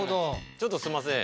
ちょっとすんません。